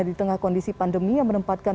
di tengah kondisi pandemi yang menempatkan